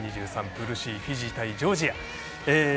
プールＣ、フィジー対ジョージア。